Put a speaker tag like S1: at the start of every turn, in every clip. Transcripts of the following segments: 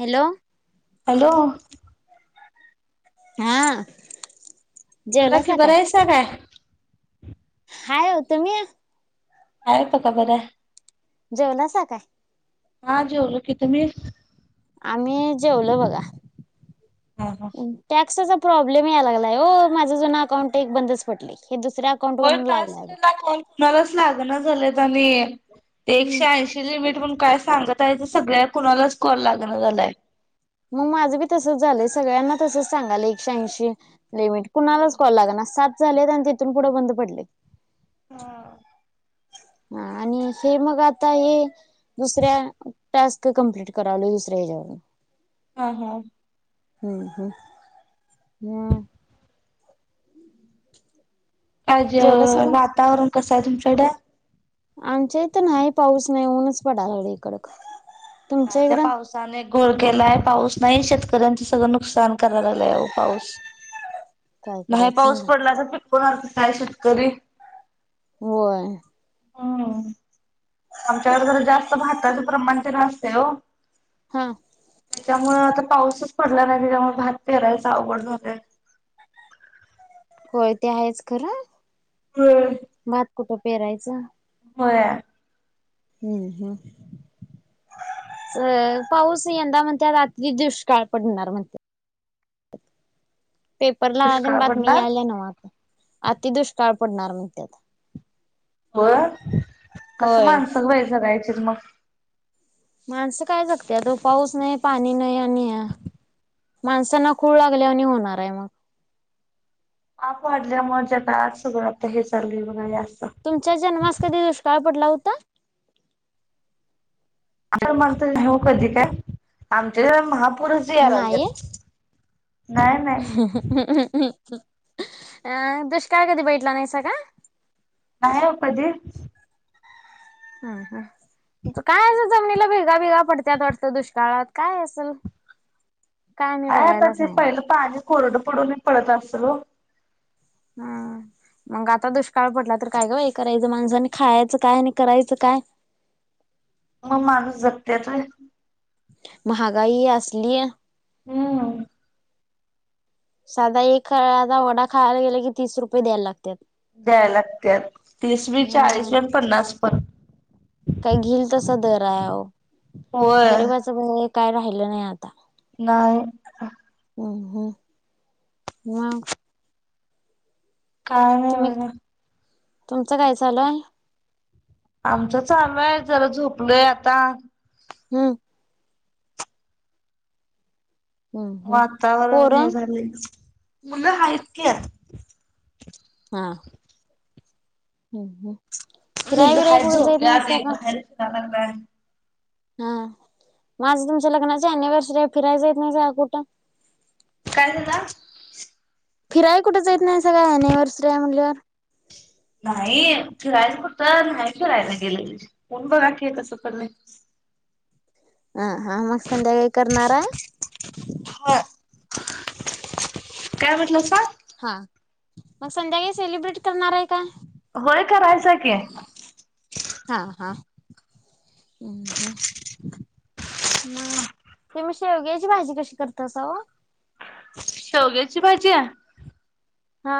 S1: Hello.
S2: Hello.
S1: हा.
S2: बोला की
S1: जेवलासा
S2: बर
S1: काय
S2: आहेसा काय?
S1: हाय हो तुम्ही?
S2: आहे त का बर?
S1: जेवलासा काय?
S2: हा जेवल की, तुम्ही?
S1: आम्ही जेवलो बघा.
S2: हा हा
S1: टॅक्सचा प्रॉब्लेम याय लागलाय हो माझ जून अकाउंट एक बंदच पडले हे दुसऱ्या अकाउंट
S2: हो
S1: वरन लावलाय
S2: टास्क
S1: बघ
S2: ला कॅल मलाच लागण झालंत आणि
S1: हम्म
S2: एकशे ऐंशी लिमिट म्हणुन काय सांगतय तर सगळ्या कुणालाच कर लागण झालाय.
S1: मग माझं बी तसच झालंय सगळ्यांना तसच सांगाल एकशे ऐंशी लिमिट
S2: होय
S1: कुणालाच कॉल लागना सात झाले आणि तिथून पुढे बंद पडले.
S2: हा.
S1: हा आणि हे मग आता हे दुसऱ्या टास्क कंप्लीट करावल दुसऱ्या ह्याच्या वरन.
S2: हा हा.
S1: हम्म, हम्म, ह..
S2: आज
S1: जेवलासा का
S2: वातावरण कसं आहे तुमच्याकडं?
S1: आमच्या इथ नाही पाऊस नाही ऊनच पडाला लागलं कडक.
S2: काय
S1: तुमच्या
S2: त्या
S1: इकडं
S2: पाऊस नुकसान एक घोर केलाय पाऊस नाही शेतकऱ्यांच सगळं नुकसान करायला लागलंय पाऊस.
S1: काय
S2: नाही
S1: करायचं
S2: पाऊस
S1: सांगा
S2: पडला तर पिकोनार काय शेतकरी.
S1: होय.
S2: हम्म, आमच्याकडे तर जास्त भाताच प्रमाण ते ना असते हो.
S1: हा.
S2: त्याच्यामुळे आता पाऊसच पडला नाही त्याच्यामुळे भात पेरायच अवघड झालंय.
S1: होय ते आहेच खर.
S2: होय.
S1: भात कुठं पेहरायचा.
S2: होय.
S1: हम्म, हम्म. अ पाऊस यंदा म्हणते रात्री दुष्काळ पडणार म्हणतात. पेपरला आली ना
S2: दुष्काळ
S1: बातमी
S2: पडणार
S1: याल्या ना आता आतीदुष्काळ पडणार म्हणते आता.
S2: हो कस
S1: होय
S2: मानसंग व्हायचगायचे मग?
S1: माणसं काय जगत्याहो पाऊस नाही, पाणी नाही आणि माणसांना खूळ लागल्या वानी होणार आहे मग.
S2: पाप वाढल्यामुळे जता आज सगळं आता हे चाललं बघा अस.
S1: तुमच्या जन्मास कधी दुष्काळ पडला होता?
S2: मगत नाही हो कधी काय आमचे इथ महापुरुष
S1: नाही
S2: यायलागल्यात.
S1: अ दुष्काळ कधी बघितला नाहीस का?
S2: नाही ओ कधीच.
S1: हाव का काय अस जमनीला भेगा, बेगा पडत्यात वाटत दुष्काळात काय असेल काय मी
S2: ह आता
S1: बघायलाच
S2: ते
S1: नाही
S2: पहिलं पाणी कोरडं पडून पडत असत हो.
S1: हा. मग आता दुष्काळ पडला तर काय ग बाई करायचं माणसांनी खायचं काय आणि करायचं काय?
S2: मग माणूस जगत्यात होय.
S1: महागाई असली ये
S2: हम्म.
S1: साधा एक खाडाच वडा खायला गेला की तीस रुपये द्यायला लागत्यात.
S2: द्याय लागते तीस बी, चाळीस बी, पन्नास पण.
S1: काही घेल तसा दर आहे अ
S2: होय
S1: गरीबाच काय राहिलं नाही आता.
S2: नाही.
S1: हम्म, हम्म, मग.
S2: काय
S1: तुम्ही
S2: नाही
S1: तुमचं काय चालु आहे?
S2: आमच चालू आहे जरा झोपलोय आता.
S1: हम्म. हम्म हम्म
S2: वातावरण हे
S1: पोरं
S2: झाले, मुलं आहेत काय?
S1: हा. हम्म, हम्म फिराय
S2: मुलं
S1: बिराय
S2: आहेत
S1: कुणीच जायत नाहीस
S2: झोपल्यात एक
S1: का?
S2: बाहेर फिरायला काय?
S1: हा माझं तुमच्या लग्नाची एनिवर्सरी फिरायच जाईत नाही जावा कुठं.
S2: काय झाल?
S1: फिराय कुठच जायेत नाही सगळ एनिव्हर्सरी आहे म्हटल.
S2: नाही फिरायला कुठ नाही फिरायला गेले कोण बघा की कस पडल.
S1: ह हा मग संध्याकाळी करणारा आहे?
S2: हा. काय म्हटलंसा?
S1: हा, मग संध्याकाळी सेलिब्रेट करणार आहे का?
S2: होय करायच कि.
S1: हा हा हम्म, हम्म. म तुम्ही शेवग्याची भाजी कशी करतासाव?
S2: शेवग्याची भाजी हे.
S1: हा.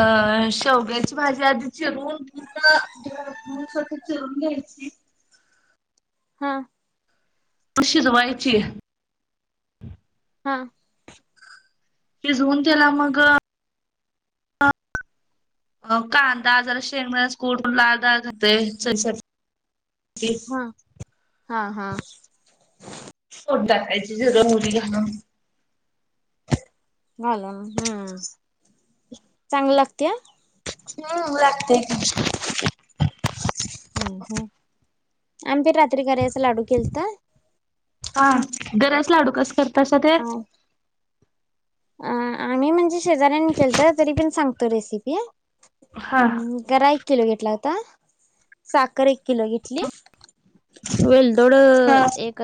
S2: अ शेवग्याची भाजी आधी चिरून पुर्ण स्वच्छ चोरून घ्यायची.
S1: हा.
S2: शीजवायची
S1: हा.
S2: शिजऊन त्याला मग अ कांदा जरा शेंगदाण्याचा कूट लाल डाळ खातोय [unintelligible] ची.
S1: हा हा हा
S2: फोडणी टाकायची जिरं, मोहरी घालून.
S1: घालून हम्म, चांगल लागत्या?
S2: हम्म लागत्या की.
S1: हम् हम, आम्ही बी रात्री गऱ्याचं लाडू केलत.
S2: हा गऱ्याचं लाडू कस करतासा ते?
S1: अ आम्ही म्हणजे शेजऱ्यांनी केलत तरी पण सांगतो रेसिपी,
S2: हा
S1: अम गरा एक किलो घेतला होता, साखर एक किलो घेतली. वेलदोड
S2: हा
S1: एक,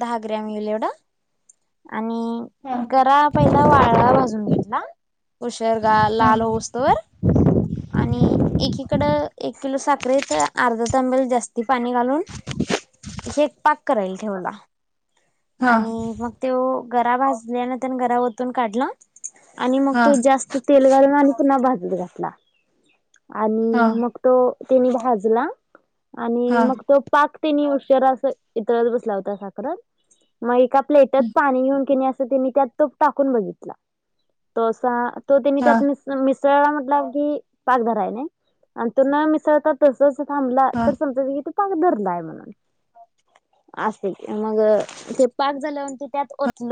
S1: दहा ग्रॅम हुइल एवढ. आणि,
S2: हा
S1: गरा पहिला वाळा भाजून घेतला. ऊशर गा लाल
S2: हा
S1: होऊस तोवर. आणि एकीकड एक किलो साखरेत त अर्धा तांब्याला जास्ती पाणी घालून, हे पाक करायला ठेवला.
S2: हा
S1: आणि मग त्यो गरा भाजल्यान तेन गरा ओतून काढला. आणि मग
S2: हा
S1: तो जास्त तेल घालून आणि पुन्हा भाजत घातला. आणि
S2: हा
S1: मग तो त्यानी भाजला, आणि
S2: हा
S1: मग तो पाक तिनी ऊशर अस इतळत बसला होता साखरात, म एका प्लेटत पाणी घेऊन केनी अस तेनी त्यात तो टाकून बघितला, तो असा तो तेनी
S2: हा
S1: त्यात मीस मिसळला म्हणलांव की पाक धराय नाही, अन तो मिसळतात तसच थांबला
S2: हा हा
S1: तर समजायच की तो पाक धरलाय म्हणून, अस ये मग ते पाक झाल्यावरन ते त्यात ओतल.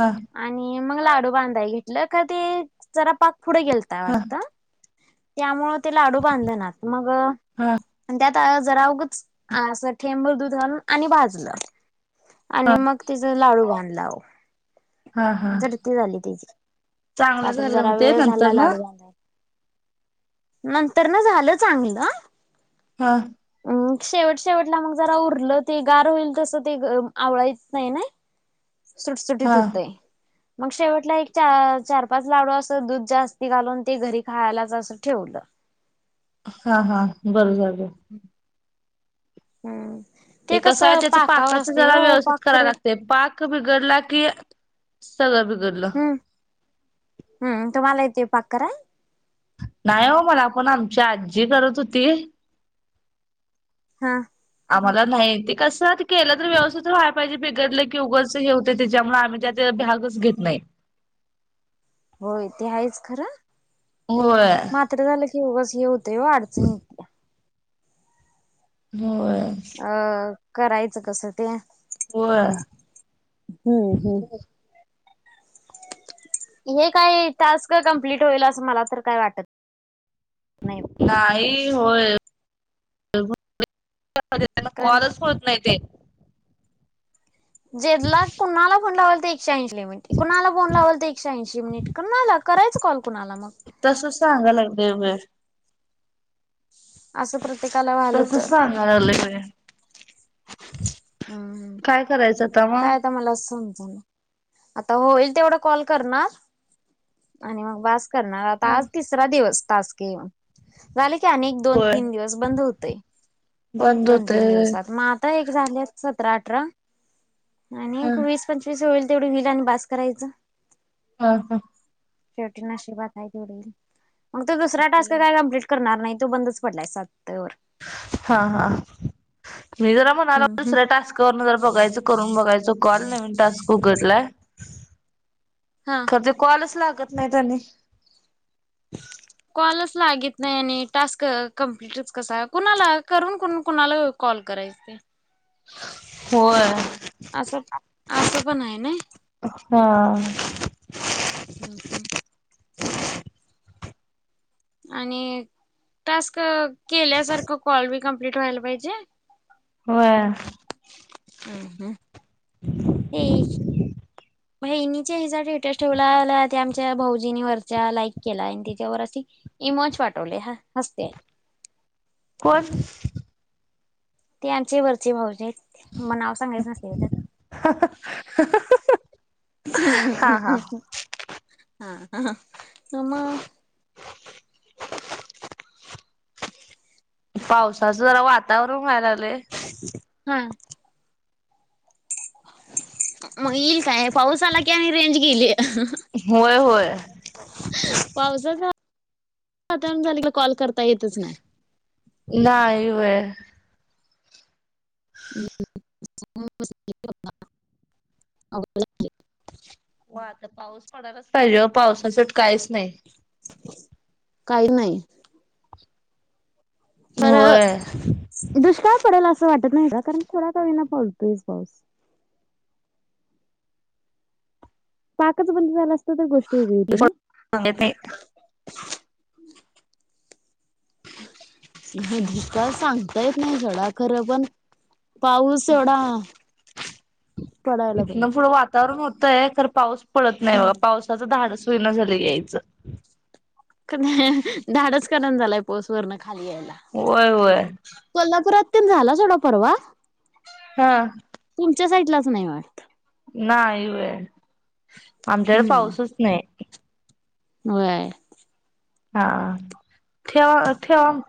S2: हां.
S1: आणि मग लाडू बांधाय घेतलं खर ते, जरा पाक पुढे गेलता
S2: हा
S1: वाटत. त्यामुळ ते लाडू बांधनात मग
S2: हा
S1: आणि त्यात जरा ऊगंच, असं ठेंबर दूध घालून आणि भाजलं. आणि मग तिज लाडू बांधलाव.
S2: हा हा
S1: झडती झाली त्याजी,
S2: चांगलं
S1: रात्री
S2: झालं मग
S1: जरा
S2: ते
S1: वेळ झाला
S2: नंतर ना
S1: लाडू बांधाय. नंतर न झालं चांगलं.
S2: हा.
S1: अम शेवट शेवटला मग जरा उरलं ते गार होईल तसं ते अ आवळाय येत नाही नई.
S2: [inaudible]
S1: सुटसुटीत
S2: हा
S1: होतय. मग शेवटला एक चा - चार पाच लाडू असं दूध जास्ती घालून ते घरी खायलाच असं ठेवलं.
S2: हा हा, बरं झालं.
S1: हम्म. हम्म.
S2: ते कसं आहे त्याच
S1: पाकावर
S2: पाकाचं
S1: असते
S2: जरा
S1: हो
S2: व्यवस्थित
S1: पाक
S2: करायला
S1: पुढे
S2: लागतंय पाक पाक बीगडला कि, सगळ बीगडल.
S1: हम, हम्म तुम्हाला येतोय पाक कराय?
S2: नाही ओ मला पण आमची आजी करत होती.
S1: हा.
S2: आम्हाला नाही. ते कसं, केलं तर व्यवस्थित व्हाया पाहिजे. बिघडलं की उगच हे होते. त्याच्यामुळे आम्ही त्या त्या भ्यागच घेत नाही.
S1: होय. ते हायच खरं.
S2: होय.
S1: मात्र झालं की, उगच हे होतंय, ओ. अडचण येतीया.
S2: होय.
S1: अ. करायचं कसं ते?
S2: होय.
S1: हम्म, हम्म. हे काही टास्क कमप्लीट होईल. असं मला तर काय वाटत नाही.
S2: नाही, होय. [unintelligible]
S1: कारण
S2: कॉलच होत नाही ते.
S1: जेदला कुणाला लावल ते एकशे ऐंशी लीमिट. कुणाला फोन लावल तर एकशे ऐंशी मिनिट. कुणाला? करायचं कॉल कुणाला मग?
S2: तस सांगा लागलं वेळ.
S1: असं प्रत्येकाला व्हायलं तर.
S2: काल आलंय होय?
S1: हम्म.
S2: काय करायचं
S1: काय आता?
S2: मग
S1: मलाच समजना. आता होईल तेवढा कॉल करणार. आणि मग बास करणार. आता आज तीस तीसरा दिवस. टास्क येऊन. झालं की आणिक दोन-
S2: होय
S1: तीन दिवस बंद होतय.
S2: बंद
S1: दोन - तीन
S2: होतय
S1: दिवसात. मा आ आता एक झालेत. सतरा- अठरा. आणि
S2: होय
S1: वीस पंचवीस होईल, तेवढ होईल. आन बास करायचं.
S2: हा, हा.
S1: शेवटी नशिबात हाय तेवढ येईल. मग तो दुसरा टास्क काय कमप्लीट करणार नाही. तो बंदच पडलाय, सातवर.
S2: हा, हा. मी जरा म ला
S1: हम्म हम्म.
S2: दुसऱ्या टास्कवर न जरा बघायच. करून बघायच कॉल. नवीन टास्क उघडलाय.
S1: हा.
S2: त ते कॉलच लागत नाही त्यानी.
S1: कॉलच लागत नाही. आणि टास्क कंप्लिटच कसा? कुणाला, करून कोण- कुणाला कॉल करायचे.
S2: होय.
S1: असं, असं पण हाय नाय.
S2: हा.
S1: हम्, हम्. आणि टास्क केल्यासारखं. कॉल बी, कंप्लीट व्हायला पाहिजे.
S2: होय.
S1: हम, हम. हे. बहिणीचेे हिचा डे [unintelligible] भावजीनी वरच्या लाईक केलाय. आणि त्याच्यावर अशी इमोज पाठवले. हस्तेय.
S2: कोण?
S1: ते आमचे वरचे भाऊजी हायत त्या. मना सांगायचं नसतंय गं
S2: हा
S1: त्यांना.
S2: हा
S1: [unintelligible] हा हा. ह, म
S2: [inaudible] पावसाचं जरा वातावरण व्हायला लागलंय.
S1: हा. मग येईल काय पाऊस आला की आणि रेंज गेली.
S2: होय होय
S1: पावसाचा वातावरण झाल की कॉल करता येतच नाही.
S2: नाही होय.
S1: [inaudible]
S2: हो आता पाऊस पडायलाच पाहिजे ओ पावसा शिवट काहीच नाही.
S1: काही नाही. पर
S2: होय.
S1: दुष्काळ पडेल असं वाटत नाही का कारण थोडा का होईना पडतोय पाऊस. पाकच बंद झाला असता तर गोष्ट वेगळी होती ना.
S2: सांगत नाही
S1: का दुष्काळ सांगता येत नाही सोडा खरं पण पाऊस एवडा
S2: इथन पुढ वातावरण होतय खर पाऊस पडत नाही बाघा पाऊस धाडस होईना झालंय यायचं.
S1: क नाही धाडस कारण झालाय पाऊस वरन खाली यायला.
S2: होय, होय.
S1: कोल्हापुरात त्यान झाला सोडा परवा?
S2: हा.
S1: तुमच्या साईडलाच नाही वाटत.
S2: नाही व्हय आमच्याकडे
S1: हम्म.
S2: पाऊसच नाही.
S1: होय.
S2: हा ठेवा, ठेवा म.